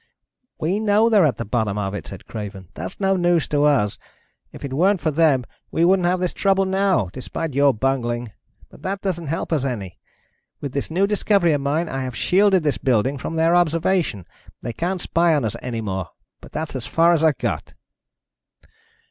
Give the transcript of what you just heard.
"We know they're at the bottom of it," said Craven. "That's no news to us. If it weren't for them, we wouldn't have this trouble now, despite your bungling. But that doesn't help us any. With this new discovery of mine I have shielded this building from their observation. They can't spy on us any more. But that's as far as I've got."